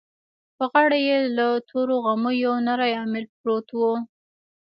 په غاړه يې له تورو غميو يو نری اميل پروت و.